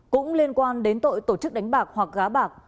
cũng liên quan đến tội tổ chức đánh bạc hoặc gá bạc